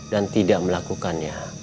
dan tidak melakukannya